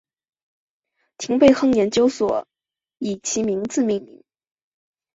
廷贝亨研究所以其名字命名。